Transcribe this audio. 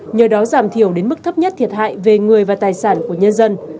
nhờ đó giảm thiểu đến mức thấp nhất thiệt hại về người và tài sản của nhân dân